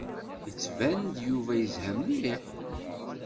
Yettban-d Yuba yezha mliḥ.